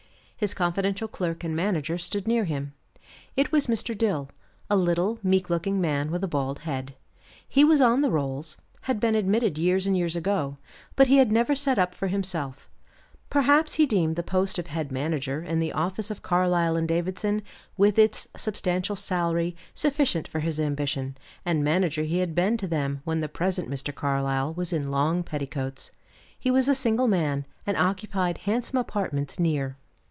His confidential clerk and manager stood near him. It was Mr. Dill, a little, meek looking man with a bald head. He was on the rolls, had been admitted years and years ago, but he had never set up for himself; perhaps he deemed the post of head manager in the office of Carlyle & Davidson, with its substantial salary, sufficient for his ambition; and manager he had been to them when the present Mr. Carlyle was in long petticoats. He was a single man, and occupied handsome apartments near.